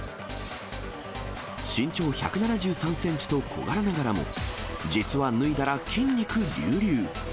身長１７３センチと小柄ながらも、実は脱いだら筋肉隆々。